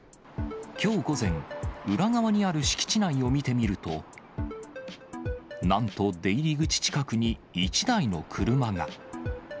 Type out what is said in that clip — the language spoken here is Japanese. きょう午前、裏側にある敷地内を見てみると、なんと出入り口近くに１台の車が。